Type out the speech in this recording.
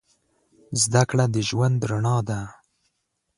زده کړه د ژوند رڼا ده.